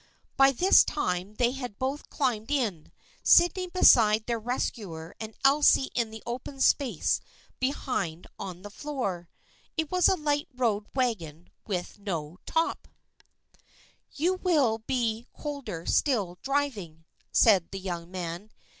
By this time they had both climbed in, Sydney beside their rescuer and Elsie in the open space be hind on the floor. It was a light road wagon with no top. 126 THE FKIENDSHIP OF ANNE "You will be colder still, driving," said the young man.